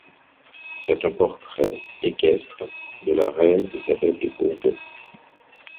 C'est un portrait équestre de la reine Isabelle de Bourbon.